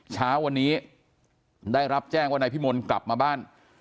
เช้าวันนี้ได้รับแจ้งว่านายพิมลกลับมาบ้าน